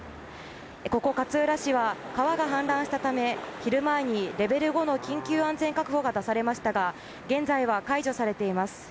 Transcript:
ここ勝浦市は川が氾濫したため昼前にレベル５の緊急安全確保が出されましたが現在は解除されています。